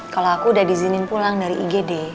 kalau aku udah diizinin pulang dari ig deh